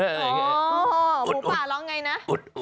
อ๋อหมูป่าเล่าอย่างไรนะอุ๊ด